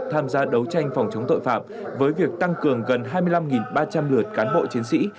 tham gia đấu tranh phòng chống tội phạm với việc tăng cường gần hai mươi năm ba trăm linh lượt cán bộ chiến sĩ